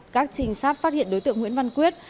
các trinh sát phát hiện đối tượng nguyễn văn quyết